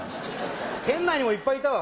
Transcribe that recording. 店内にもいっぱいいたわ。